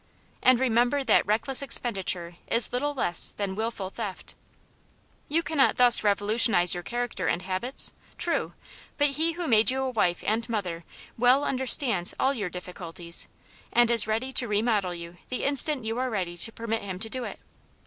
And re member that reckless expenditure is little less than wilful theft. You cannot thus revolutionize your character and habits? True. But He who made you a wife and mother well understands all your difficulties, and is Aunt Janets Hero. 265 ready to remodel you the instant you are ready to permit Him to do it.